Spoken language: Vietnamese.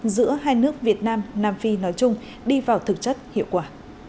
giữa hai nước việt nam nam phi nói chung đi vào thực chất hiệu quả